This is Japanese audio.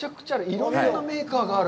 いろんなメーカーがある。